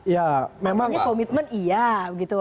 ya memangnya komitmen iya gitu